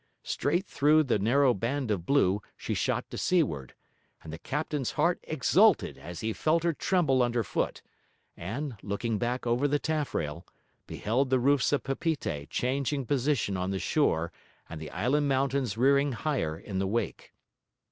Straight through the narrow band of blue, she shot to seaward: and the captain's heart exulted as he felt her tremble underfoot, and (looking back over the taffrail) beheld the roofs of Papeete changing position on the shore and the island mountains rearing higher in the wake.